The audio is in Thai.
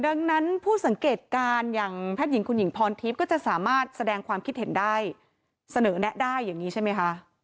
ดังนั้นผู้สังเกตการณ์อย่างแพทย์หญิงคุณหญิงพรทิพย์ก็จะสามารถแสดงความคิดเห็นได้เสนอแนะได้อย่างนี้ใช่ไหมคะ